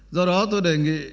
do đó tôi đề nghị